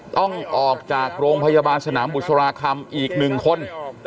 ต้องออกจากโรงพยาบาลสนามบุษราคำอีก๑คน